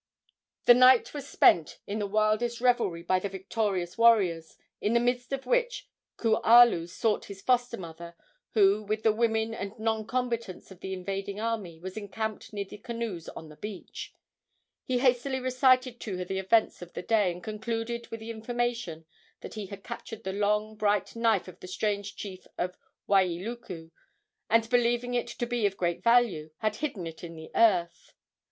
The night was spent in the wildest revelry by the victorious warriors, in the midst of which Kualu sought his foster mother, who, with the women and non combatants of the invading army, was encamped near the canoes on the beach. He hastily recited to her the events of the day, and concluded with the information that he had captured the long, bright knife of the strange chief of Wailuku, and, believing it to be of great value, had hidden it in the earth.